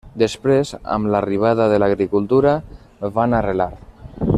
Després, amb l'arribada de l'agricultura van arrelar.